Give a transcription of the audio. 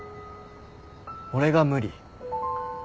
俺が無理。